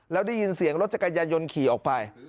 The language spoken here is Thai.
แล้วได้ยินเสียงรถจักรยายนขี่ออกไป